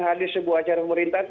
hadir sebuah acara pemerintahan